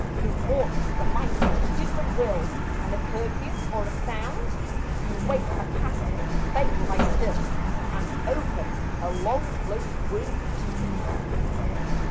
Who vaunts the might of a human will, When a perfume or a sound Can wake a Past that we bade lie still, And open a long closed wound?